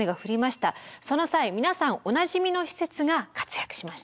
その際皆さんおなじみの施設が活躍しました。